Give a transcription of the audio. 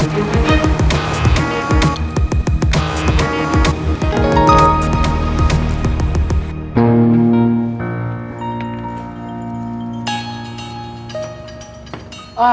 sampai jumpa lagi